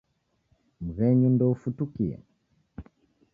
Mghenyu ndeufutukie.